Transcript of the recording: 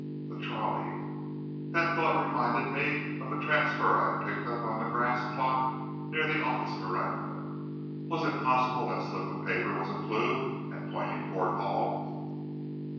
The trolley! that thought reminded me of the transfer I had picked up on the grass plot near the office veranda. Was it possible that slip of paper was a clue, and pointing toward Hall?